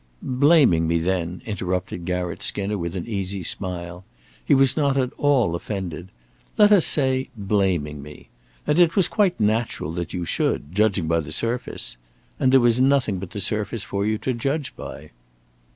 "Blaming me, then," interrupted Garratt Skinner, with an easy smile. He was not at all offended. "Let us say blaming me. And it was quite natural that you should, judging by the surface. And there was nothing but the surface for you to judge by."